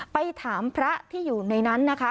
ไปถามพระที่อยู่ในนั้นนะคะ